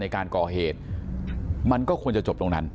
ในการก่อเหตุมันก็ควรจะจบตรงนั้น